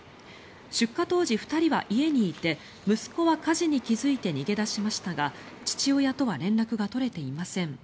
出火当時、２人は家にいて息子は火事に気付いて逃げ出しましたが父親とは連絡が取れていません。